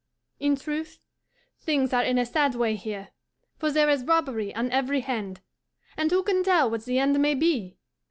In truth, things are in a sad way here, for there is robbery on every hand, and who can tell what the end may be?